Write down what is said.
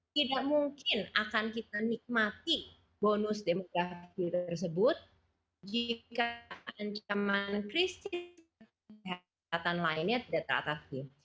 tidak mungkin akan kita nikmati bonus demografi tersebut jika ancaman krisis kesehatan lainnya tidak teratasi